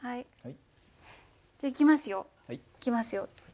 いきますよ。